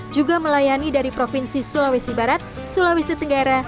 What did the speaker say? juga melayani dari provinsi sulawesi barat sulawesi tenggara